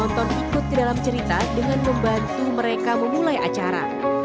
mereka juga menyapa penonton ikut ke dalam cerita dengan membantu mereka memulai acara